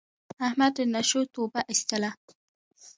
احمد له نشو توبه ایستله.